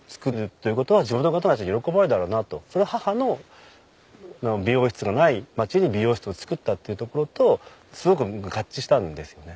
それが母の美容室がない町に美容室を作ったっていうところとすごく合致したんですよね。